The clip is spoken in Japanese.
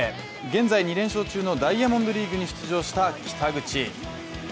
現在、２連勝中のダイヤモンドリーグに出場した北口。